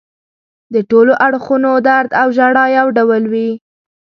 د ټولو اړخونو درد او ژړا یو ډول وي.